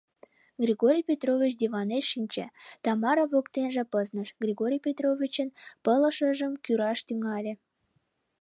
Григорий Петрович диванеш шинче, Тамара воктенже пызныш, Григорий Петровичын пылышыжым кӱраш тӱҥале.